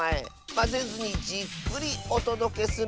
まぜずにじっくりおとどけするのである。